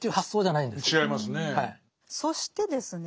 そしてですね